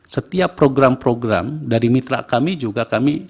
setiap program program dari mitra kami juga kami